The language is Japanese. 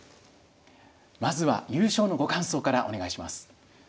まずは優勝のご感想からお願いします。